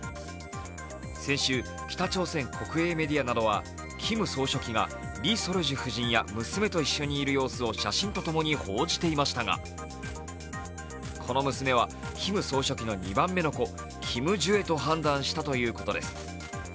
先週、北朝鮮国営メディアなどはキム総書記がリ・ソルジュ夫人や娘と一緒にいる様子を写真と共に報じていましたがこの娘はキム総書記の２番目の子キム・ジュエと判断したということです。